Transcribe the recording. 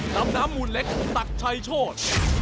น้ำมูลเล็กตักชัยโชธ